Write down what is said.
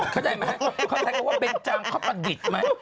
เข้าใจไหมคำสั่งว่าเบนค์จังเขาประดิษฐ์มั้ย